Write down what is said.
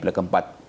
pilar keempat ini